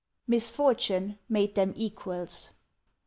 XLIV. Misfortune made them equals.